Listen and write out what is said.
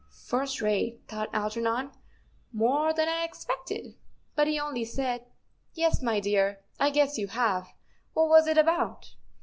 "First rate," thought Algernon; "more than I expected." But he only said: "Yes, my dear, I guess you have. What was it about